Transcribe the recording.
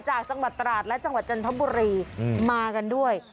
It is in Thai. จากจังหวัดตราดและจังหวัดจันทบุรีมากันด้วย